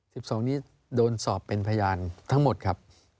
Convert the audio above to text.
สิบสองนี้โดนสอบเป็นพยานทั้งหมดครับ